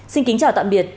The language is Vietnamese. xin kính chào tạm biệt